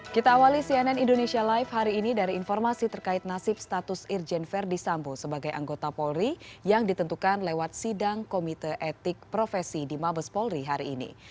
kita awali cnn indonesia live hari ini dari informasi terkait nasib status irjen verdi sambo sebagai anggota polri yang ditentukan lewat sidang komite etik profesi di mabes polri hari ini